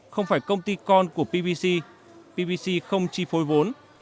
không phải công ty con của pvc pvc không chi phối vốn